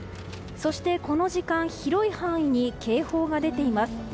そして、この時間広い範囲に警報が出ています。